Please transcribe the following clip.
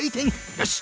よし！